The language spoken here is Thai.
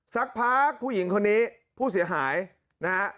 สักพักผู้หญิงคนนี้ผู้เสียหายนะฮะ